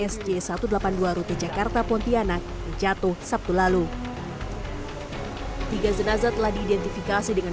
sj satu ratus delapan puluh dua rute jakarta pontianak jatuh sabtu lalu tiga jenazah telah diidentifikasi dengan